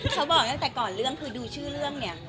เขาบอกตั้งแต่ก่อนเรื่องคือดูชื่อเรื่องเนี่ย